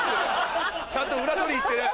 ちゃんと裏取り行ってる。